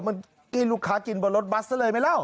เมื่อกี้ลูกค้ากินบนรถบัสซะเลยไหมเล่า